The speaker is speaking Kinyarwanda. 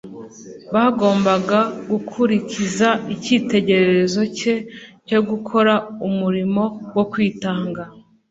bagomba gukurikiza icyitegererezo cye cyo gukora umurimo wo kwitanga,